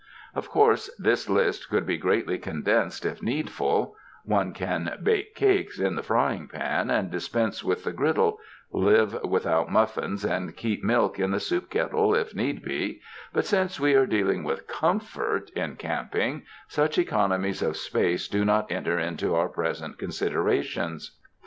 Of course this list could be greatly condensed if needful; one can bake cakes in the frying pan and dispense with the griddle, live without muffins and keep milk in the soup kettle if need be, but since we are dealing with comfort in camping, such econo mies of space do not enter into our present con siderations.